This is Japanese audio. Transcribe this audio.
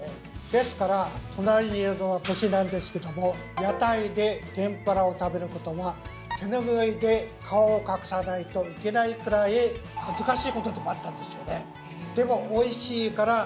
ですから隣にいるのは武士なんですけども屋台で天ぷらを食べることは手拭いで顔を隠さないといけないくらい恥ずかしいことでもあったんですよね。